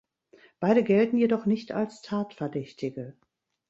Beide gelten jedoch nicht als Tatverdächtige.